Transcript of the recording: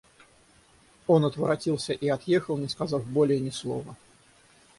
Он отворотился и отъехал, не сказав более ни слова.